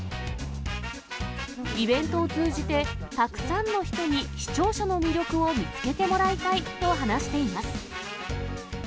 イベントを通じて、たくさんの人に市庁舎の魅力を見つけてもらいたいと話しています。